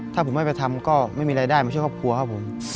ถ้าผมไม่ไปทำก็ไม่มีรายได้มาช่วยครอบครัวครับผม